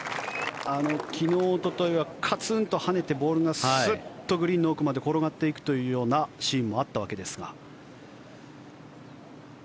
昨日、おとといはカツーンと跳ねてボールがスッとグリーンの奥まで転がっていくようなシーンもあったわけですが。